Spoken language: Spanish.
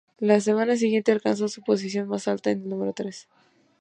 La semana siguiente alcanzó su posición más alta en el número tres.